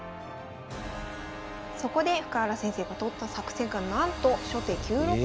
そこで深浦先生がとった作戦がなんと初手９六歩。